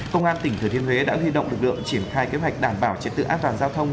công an tỉnh thừa thiên huế đã huy động lực lượng triển khai kế hoạch đảm bảo trật tự an toàn giao thông